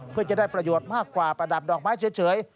เพื่อจะได้ประโยชน์มากกว่าประดับดอกไม้เฉย